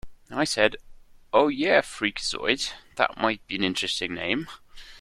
I said 'Oh, yeah, 'Freakazoid', that might be an interesting name.